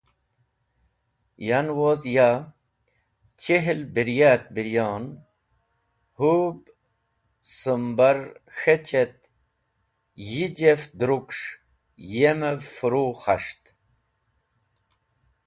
Yan woz ya , chihl birray-e biryon, hũb sũmbar k̃hech et yi jeft druks̃h, yemev furu khas̃ht.